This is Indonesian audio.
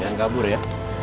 jangan kabur ya